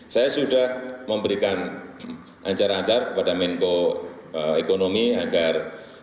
saya sudah memberikan ancar ancar kepada menko ekonomi agar